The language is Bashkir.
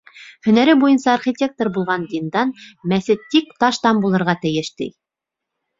Һөнәре буйынса архитектор булған диндар, мәсет тик таштан булырға тейеш, ти.